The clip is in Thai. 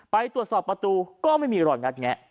ไปตรวจสอบประตูก็ไม่มีรอยงัดแงะ